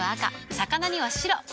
魚には白。